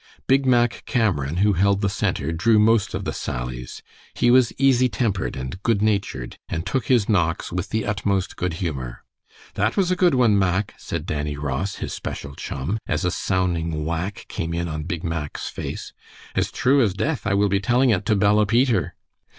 Big Mack Cameron, who held the center, drew most of the sallies. He was easy tempered and good natured, and took his knocks with the utmost good humor. "That was a good one, Mack," said Dannie Ross, his special chum, as a sounding whack came in on Big Mack's face. "As true as death I will be telling it to Bella Peter.